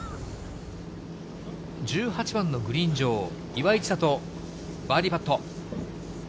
１８番のグリーン上、岩井千怜、バーディーパット。